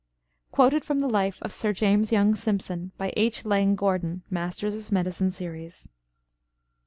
Quoted from "The Life of Sir James Young Simpson," by H. Laing Gordon; Masters of Medicine Series.